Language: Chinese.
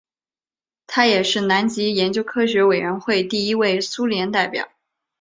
他也是南极研究科学委员会第一位苏联代表。